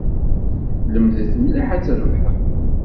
Lemdet mliḥ ad trebḥem.